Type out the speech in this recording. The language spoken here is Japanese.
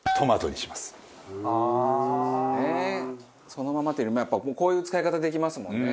そのままというよりもやっぱこういう使い方できますもんね。